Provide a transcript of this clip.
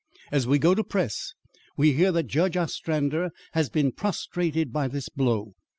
"As we go to press we hear that Judge Ostrander has been prostrated by this blow.